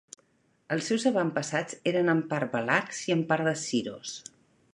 Els seus avantpassats eren en part valacs i en part de Siyros.